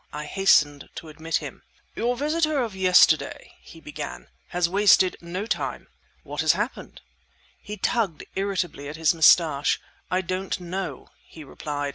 I hastened to admit him. "Your visitor of yesterday," he began, "has wasted no time!" "What has happened?" He tugged irritably at his moustache. "I don't know!" he replied.